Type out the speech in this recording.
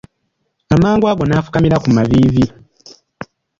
Amangu ago ne nfukamira ku maviivi.